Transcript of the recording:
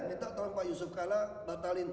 minta tolong pak yusuf kala batalin